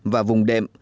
và vùng đệm